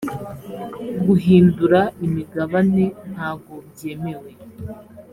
guhindura imigabane ntago byemewe